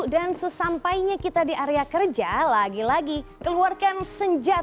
dan sesampainya kita di area kerja lagi lagi keluarkan senjata